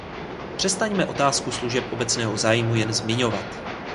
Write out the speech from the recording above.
Přestaňme otázku služeb obecného zájmu jen zmiňovat.